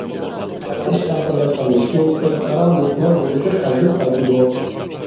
ئىش ئاخىرلاشقاندىن كېيىن ئۆزئارا مېھمان بولۇشۇپ ئاندىن قايتىدۇ.